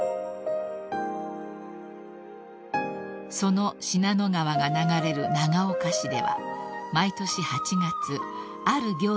［その信濃川が流れる長岡市では毎年８月ある行事が行われます］